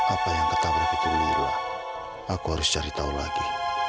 apa yang ketabah itu lila aku harus cari tahu lagi